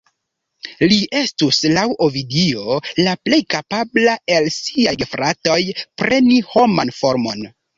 Li estus, laŭ Ovidio, la plej kapabla el siaj gefratoj preni homan formon.